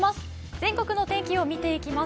全国の天気を見ていきます。